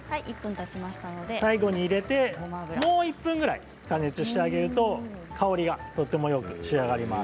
最後にもう１分ぐらい加熱してあげると香りがとてもよく仕上がります。